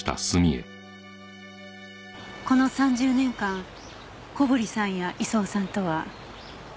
この３０年間小堀さんや功さんとは？